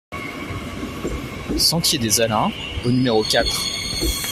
Sentier des Alains au numéro quatre